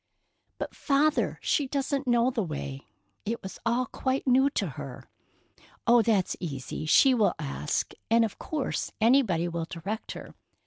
"But, Father, she doesn't know the way. It was all quite new to her." "Oh, that's easy. She will ask, and of course anybody will direct her.